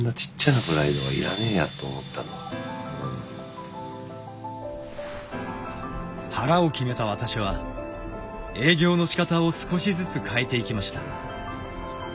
そんなちっちゃな腹を決めた私は営業のしかたを少しずつ変えていきました。